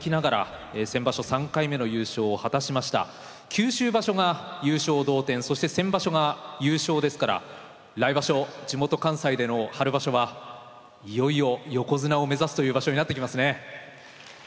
九州場所が優勝同点そして先場所が優勝ですから来場所地元関西での春場所はいよいよ横綱を目指すという場所になってきますね。